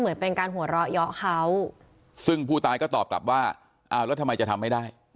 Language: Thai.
เหมือนเป็นการหัวเราะเยาะเขาซึ่งผู้ตายก็ตอบกลับว่าอ้าวแล้วทำไมจะทำไม่ได้